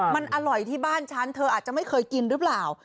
มันอร่อยที่บ้านฉันเธออาจจะไม่เคยกินหรือเปล่า